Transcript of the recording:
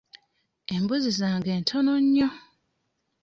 Embuzi zange ntono nnyo.